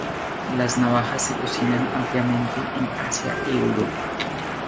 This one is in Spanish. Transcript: Las navajas se cocinan ampliamente en Asia y Europa.